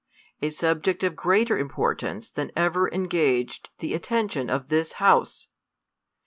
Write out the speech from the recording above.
A subject of great er important than ever engaged the attention of this House